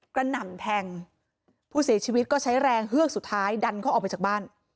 หน่ำแทงผู้เสียชีวิตก็ใช้แรงเฮือกสุดท้ายดันเขาออกไปจากบ้าน